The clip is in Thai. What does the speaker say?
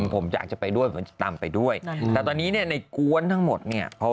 ผมอาจจะไปด้วยกับต่อไปด้วยแต่ตอนนี้ในกล้วนทั้งหมดเนี่ย